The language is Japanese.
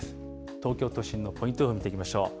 東京都心のポイント予報を見ていきましょう。